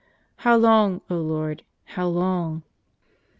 ' How long, 0 Lord ! how long?